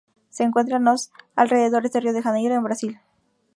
Se encuentra en los alrededores de Río de Janeiro, en Brasil.